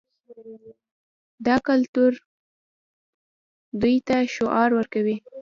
دا کلتور دوی ته شعور ورکوي.